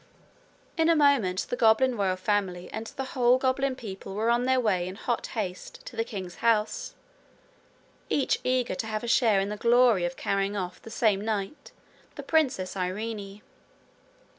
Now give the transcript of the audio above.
In a moment the goblin royal family and the whole goblin people were on their way in hot haste to the king's house, each eager to have a share in the glory of carrying off that same night the Princess Irene.